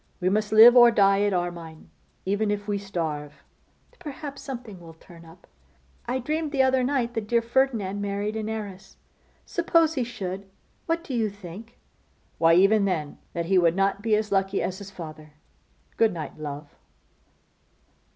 We must live or die at Armine, even if we starve.' 'Perhaps something will turn up. I dreamed the other night that dear Ferdinand married an heiress. Suppose he should? What do you think?' 'Why, even then, that he would not be as lucky as his father. Good night, love!